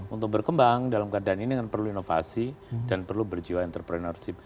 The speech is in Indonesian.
untuk berkembang dalam keadaan ini kan perlu inovasi dan perlu berjiwa entrepreneurship